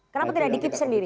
kenapa tidak dikit sendiri